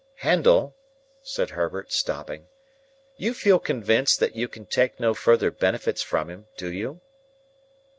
"Handel," said Herbert, stopping, "you feel convinced that you can take no further benefits from him; do you?"